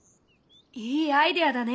いいアイデアだね！